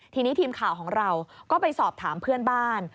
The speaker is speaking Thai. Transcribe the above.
ทีนี้ทีมข่าวของเราก็ไปสอบถามเพื่อนบ้าน